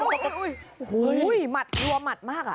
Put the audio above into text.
โอ้โหหัวหัวหัวมาก